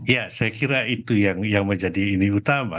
ya saya kira itu yang menjadi ini utama